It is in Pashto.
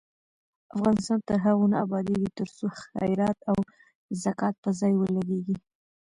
افغانستان تر هغو نه ابادیږي، ترڅو خیرات او زکات په ځای ولګیږي.